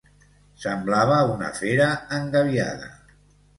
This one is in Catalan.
Semblava una fera engabiada.